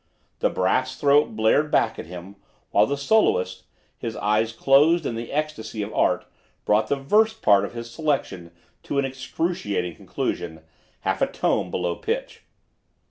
The brass throat blared back at him, while the soloist, his eyes closed in the ecstasy of art, brought the "verse" part of his selection to an excruciating conclusion, half a tone below pitch.